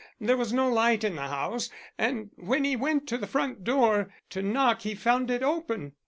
There was no light in the house, and when he went to the front door to knock he found it open.